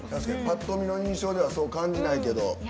ぱっと見の印象ではそう感じないけど。